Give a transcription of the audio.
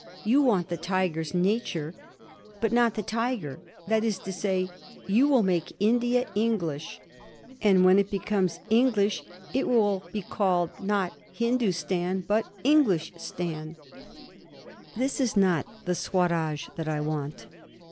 You want the tiger's nature, but not the tiger; that is to say, you would make India English, and when it becomes English, it will be called not Hindustan but Englistan. This is not the Swaraj that I want.